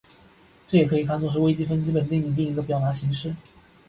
这也可以看作是微积分基本定理另一个表达形式。